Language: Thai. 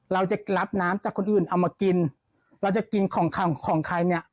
เราจะรับน้ำจากคนอื่นเอามากินเราจะกินของใครเนี่ย